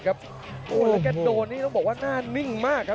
กระโดยสิ้งเล็กนี่ออกกันขาสันเหมือนกันครับ